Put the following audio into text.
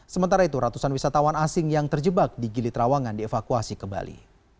sementara itu ratusan wisatawan asing yang terjebak di gili trawangan dievakuasi ke bali